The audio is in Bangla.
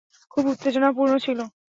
খুব উত্তেজনাপূর্ণ ছিল।